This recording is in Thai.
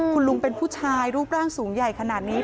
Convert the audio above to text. คุณลุงเป็นผู้ชายรูปร่างสูงใหญ่ขนาดนี้